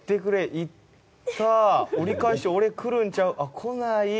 行った折り返して俺に来るんちゃう？来ない。